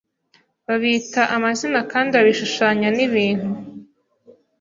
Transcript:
babita amazina kandi babishushanya nibintu